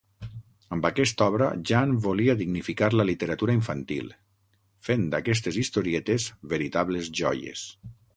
Amb aquesta obra, Jan volia dignificar la literatura infantil, fent d'aquestes historietes veritables joies.